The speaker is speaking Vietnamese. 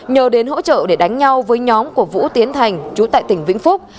nhờ đến hỗ trợ để đánh nhau với nhóm của vũ tiến thành chú tại tỉnh vĩnh phúc